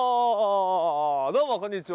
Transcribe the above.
どうもこんにちは。